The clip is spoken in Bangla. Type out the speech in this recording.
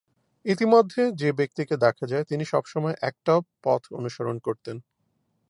ইতিমধ্যে, যে-ব্যক্তিকে দেখা যায়, তিনি সবসময় একটা পথ অনুসরণ করতেন।